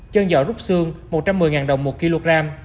chân giỏ rút xương một trăm một mươi đồng một kg